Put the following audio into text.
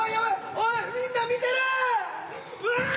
おいみんな見てる！うわ！